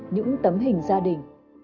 những tấm hình gia đình